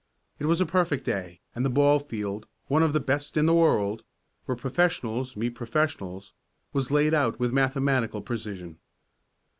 It was a perfect day, and the ball field one of the best in the world where professionals meet professionals was laid out with mathematical precision.